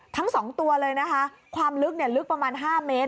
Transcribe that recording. ทั้ง๒ตัวเลยนะคะความลึกลึกประมาณ๕เมตร